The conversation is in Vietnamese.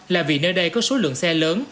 là vì nơi đây có số lượng xe lớn